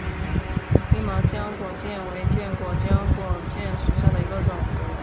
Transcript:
灰毛浆果楝为楝科浆果楝属下的一个种。